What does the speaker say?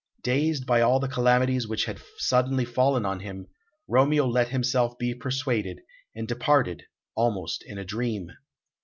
Dazed by all the calamities which had suddenly fallen on him, Romeo let himself be persuaded, and departed almost in a dream.